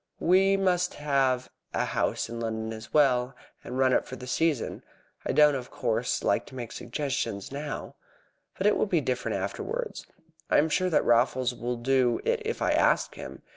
"We must have a house in London as well, and run up for the season. I don't, of course, like to make suggestions now, but it will be different afterwards. I am sure that Raffles will do it if I ask him.